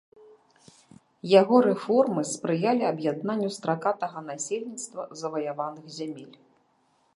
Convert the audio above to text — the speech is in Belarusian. Яго рэформы спрыялі аб'яднанню стракатага насельніцтва заваяваных зямель.